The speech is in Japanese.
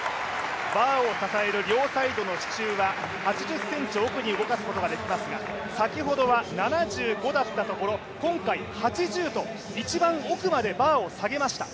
バーを支える両サイドの支柱は８０ｃｍ奥に動かすことができますが先ほどは７５だったところ今回８０と一番奥までバーを下げました。